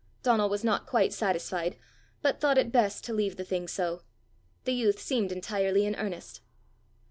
Donald was not quite satisfied, but thought it best to leave the thing so. The youth seemed entirely in earnest.